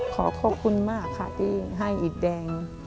ขอขอบคุณมากค่ะที่ให้อิดแดง